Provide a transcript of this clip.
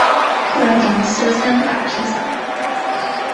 客人点了四十三大披萨